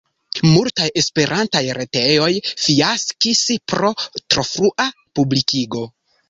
Multaj esperantaj retejoj fiaskis pro tro frua publikigo.